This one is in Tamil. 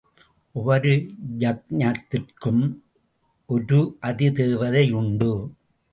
ஒவ்வொரு யக்ஞத்திற்கும் ஒரு அதி தேவதை உண்டு.